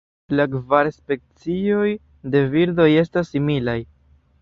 La kvar specioj de birdoj estas similaj.